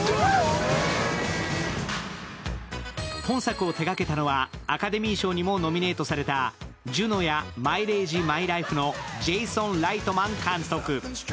本作を手がけたのはアカデミー賞にもノミネートされた「ＪＵＮＯ／ジュノ」や「マイレージ・マイライフ」のジェイソン・ライトマン監督。